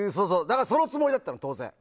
そのつもりだったの、当然。